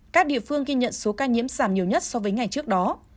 các địa phương ghi nhận số ca nhiễm giảm nhiều nhất so với ngày trước đó